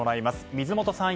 水本さん